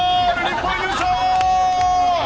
日本、優勝！